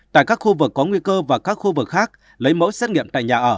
tại các khu vực có nguy cơ và các khu vực khác lấy mẫu xét nghiệm tại nhà ở